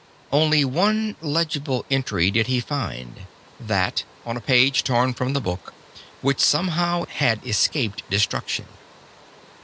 Only one legible entry did he find, that on a page torn from the book, which somehow had escaped destruction.